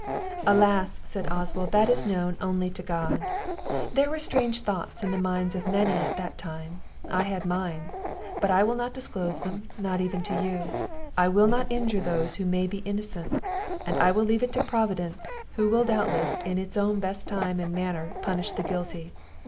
"Alas!" said Oswald, "that is only known to God. There were strange thoughts in the minds of many at that time; I had mine; but I will not disclose them, not even to you. I will not injure those who may be innocent; and I leave it to Providence, who will doubtless, in its own best time and manner, punish the guilty.